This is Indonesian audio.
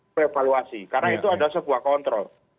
reevaluasi karena itu ada sebuah kontrol